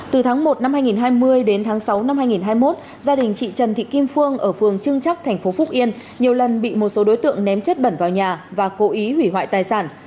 từ tháng một năm hai nghìn hai mươi đến tháng sáu năm hai nghìn hai mươi một gia đình chị trần thị kim phương ở phường trưng chắc thành phố phúc yên nhiều lần bị một số đối tượng ném chất bẩn vào nhà và cố ý hủy hoại tài sản